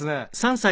３歳。